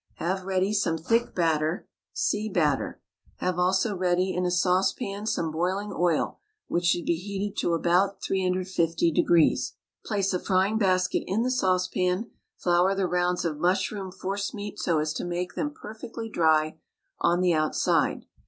Have ready some thick batter (See BATTER). Have also ready in a saucepan some boiling oil, which should be heated to about 350 degrees. Place a frying basket in the saucepan, flour the rounds of mushroom forcemeat so as to make them perfectly dry on the outside.